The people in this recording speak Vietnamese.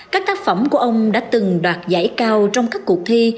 các tác phẩm của ông đã từng đoạt giải cao trong các cuộc thi